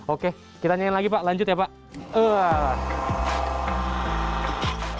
oke kita nyanyiin lagi pak lanjut ya pak